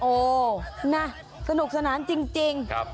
โอ้นะสนุกสนานจริง